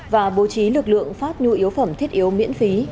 và bố trí lực lượng phát nhu yếu phẩm thiết yếu miễn phí